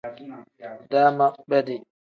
Daama bedi.